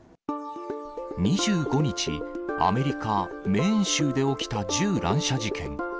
２５日、アメリカ・メーン州で起きた銃乱射事件。